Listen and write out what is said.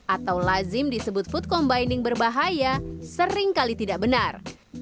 atau lazim disebut food combining berbahaya seringkali tidak benar